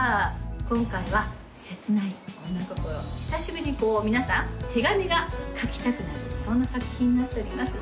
今回は切ない女心久しぶりに皆さん手紙が書きたくなるそんな作品になっております